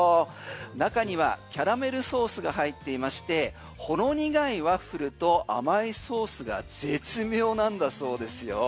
中にはキャラメルソースが入っていましてほろ苦いワッフルと甘いソースが絶妙なんだそうですよ。